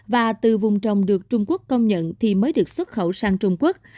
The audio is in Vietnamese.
và từ vùng trồng được trung quốc công nhận thì mới được xuất khẩu sang trung quốc